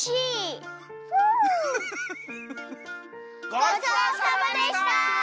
ごちそうさまでした！